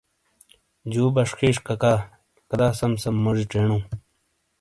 جُو بشخیش لاککا۔ کدا سم سم موجی چینؤ !